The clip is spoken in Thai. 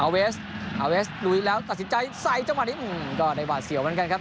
เอาอุวิสเอาอัวิสดูแลแล้วตัดสินใจใส่จังหวะอื้มด้วยวาสิวเหมือนกันครับ